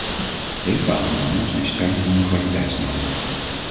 Drinkwaternormen zijn strenger dan de waterkwaliteitsnormen.